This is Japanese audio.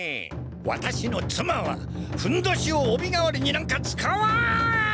ワタシの妻はふんどしをおび代わりになんか使わん！